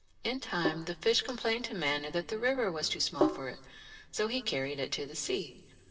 In time the fish complained to Manu that the river was too small for it, so he carried it to the sea.